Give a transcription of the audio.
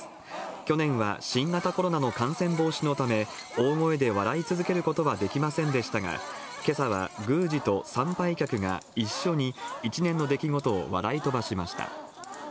去年は新型コロナの感染防止のため、大声で笑い続けることはできませんでしたが、けさは宮司と参拝客が一緒に、一年の出来事を笑い飛ばしました。